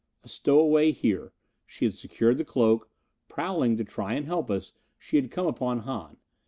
A stowaway here. She had secured the cloak. Prowling, to try and help us, she had come upon Hahn.